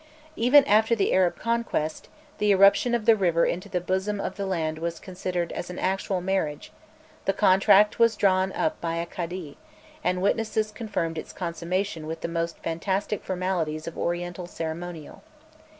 Even after the Arab conquest, the irruption of the river into the bosom of the land was still considered as an actual marriage; the contract was drawn up by a cadi, and witnesses confirmed its consummation with the most fantastic formalities of Oriental ceremonial.